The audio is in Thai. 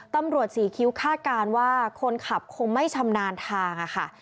ตำรวจสี่คิ้วคาดการณ์ว่าคนขับคงไม่ชำนาญทางค่ะ